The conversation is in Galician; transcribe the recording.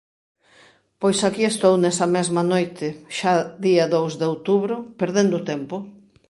Pois aquí estou nesa mesma noite, xa día dous de outubro, perdendo o tempo.